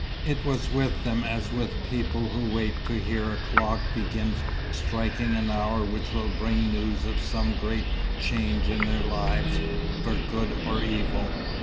It was with them as with people who wait to hear a clock begin striking an hour which will bring news of some great change in their lives, for good or evil.